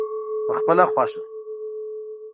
پخپله خوښه.